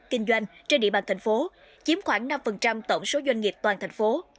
kinh doanh trên địa bàn thành phố chiếm khoảng năm tổng số doanh nghiệp toàn thành phố